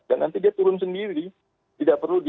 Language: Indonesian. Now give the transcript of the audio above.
dan nanti dia turun sendiri